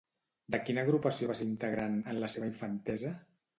De quina agrupació va ser integrant, en la seva infantesa?